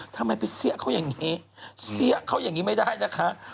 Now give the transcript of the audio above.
ทำไมไปเสี้ยเขาอย่างนี้เสี้ยเขาอย่างนี้ไม่ได้นะคะ